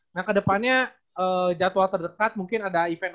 nah kedepannya jadwal terdekat mungkin ada event